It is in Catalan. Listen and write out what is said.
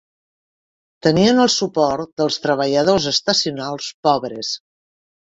Tenien el suport dels treballadors estacionals pobres.